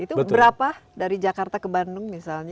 itu berapa dari jakarta ke bandung misalnya